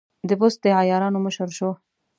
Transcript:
د بست د عیارانو مشر شو.